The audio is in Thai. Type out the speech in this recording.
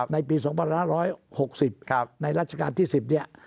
ในปี๒๕๖๐ในรัชกาลที่๑๐เนี่ย